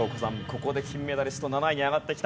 ここで金メダリスト７位に上がってきた。